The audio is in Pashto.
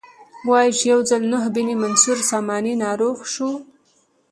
وایي چې یو ځل نوح بن منصور ساماني ناروغ شو.